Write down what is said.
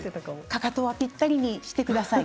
かかとはぴったりにしてください。